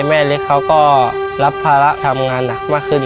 แม่เล็กเขาก็รับภาระทำงานหนักมากขึ้น